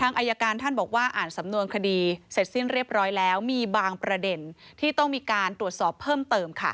อายการท่านบอกว่าอ่านสำนวนคดีเสร็จสิ้นเรียบร้อยแล้วมีบางประเด็นที่ต้องมีการตรวจสอบเพิ่มเติมค่ะ